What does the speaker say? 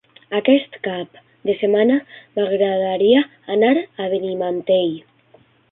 Aquest cap de setmana m'agradaria anar a Benimantell.